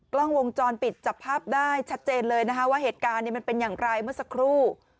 กล้องวงจรปิดจับภาพได้ชัดเจนเลยนะคะว่าเหตุการณ์มันเป็นอย่างไรเมื่อสักครู่